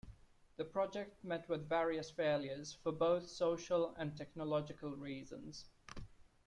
The project met with various failures, for both social and technological reasons.